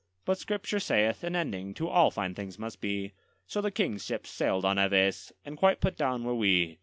But Scripture saith, an ending to all fine things must be; So the King's ships sailed on Aves, and quite put down were we.